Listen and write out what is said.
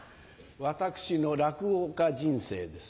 私の落語家人生です。